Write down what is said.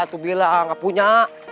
tuh bilang enggak punya